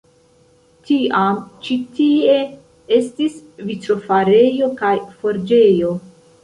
Tiam ĉi tie estis vitrofarejo kaj forĝejo.